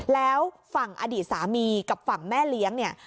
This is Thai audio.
แล้วฝั่งอดีตสามีกับฝั่งแม่เลี้ยงเนี่ย